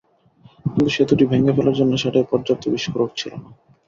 কিন্তু সেতুটি ভেঙে ফেলার জন্য সেটায় পর্যাপ্ত বিস্ফোরক ছিল না।